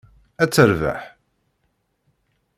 Ad terbeḥ?